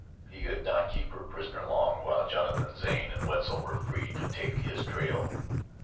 He could not keep her a prisoner long while Jonathan Zane and Wetzel were free to take his trail.